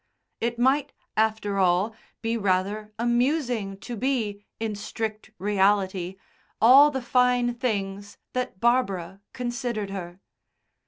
It might, after all, be rather amusing to be, in strict reality, all the fine things that Barbara considered her.